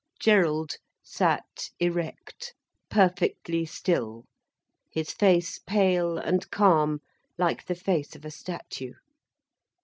Gerald sat erect, perfectly still, his face pale and calm, like the face of a statue.